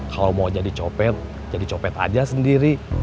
kalau mau jadi copet jadi copet aja sendiri